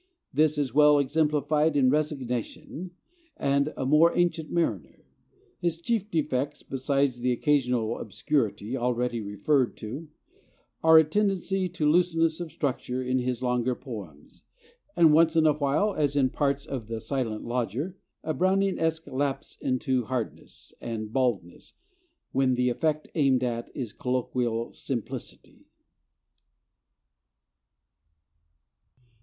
This is well exemplified in 'Resignation' and 'A More Ancient Mariner.' His chief defects, besides the occasional obscurity already referred to, are a tendency to looseness of structure in his longer poems, and once in a while, as in parts of 'The Silent Lodger,' a Browningesque lapse into hardness and baldness when the effect aimed at is colloquial simplicity.